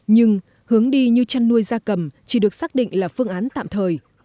nhưng hướng đi như chăn nuôi da cầm chỉ được xác định là phương án tạm thời